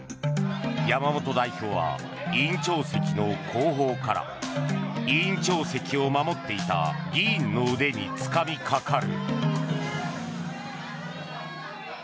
山本代表は委員長席の後方から委員長席を守っていた議員の腕につかみかかる。